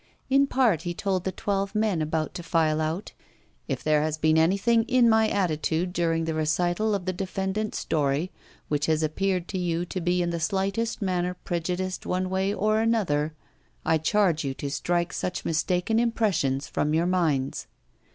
In part he told the twelve men about to file out, *'If there has been anything in my attitude during the recital of the defendant's story, which has ap peared to you to be in the slightest manner preju diced one way or another, I charge you to strike such mistaken impressions from your minds.